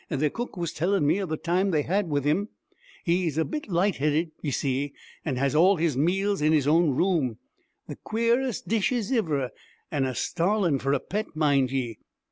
Their cook was tellin' me of the time they have wid him. He's a bit light headed, y' see, an' has all his meals in his own room th' quarest dishes iver an' a starlin' for a pet, mind ye!'